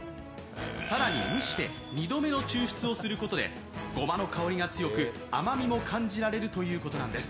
更に蒸して２度目の抽出をすることでごまの香りが強く甘みも感じられるということなんです。